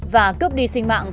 và cướp đi sinh mạng